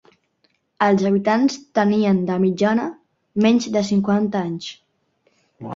Els habitants tenien, de mitjana, menys de cinquanta anys.